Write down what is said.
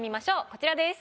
こちらです。